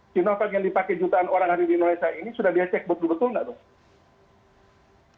sinovac yang dipakai jutaan orang hari di indonesia ini sudah dia cek betul betul nggak dong